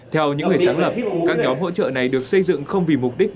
theo những người sáng lập các nhóm hỗ trợ này được xây dựng không vì mục đích